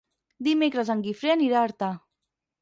Dimecres en Guifré anirà a Artà.